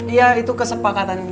iya itu kesepakatan